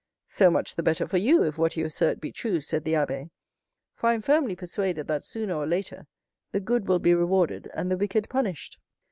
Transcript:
0327m "So much the better for you, if what you assert be true," said the abbé; "for I am firmly persuaded that, sooner or later, the good will be rewarded, and the wicked punished."